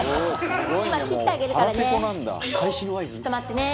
今切ってあげるからね。